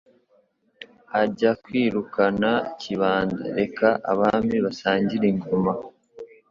Ajya kwirukana Kibanda Reka Abami basangire ingoma